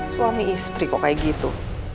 suami istri kok kayak gitu